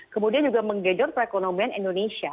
kemudian juga menggejor perekonomian indonesia